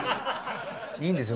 いいんですよ。